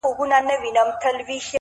o ويل يې غواړم ځوانيمرگ سي؛